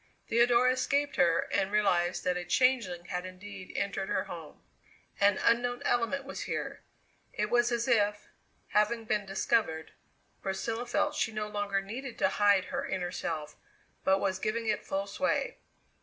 Theodora escaped her, and realized that a changeling had indeed entered her home. An unknown element was here. It was as if, having been discovered, Priscilla felt she no longer needed to hide her inner self, but was giving it full sway.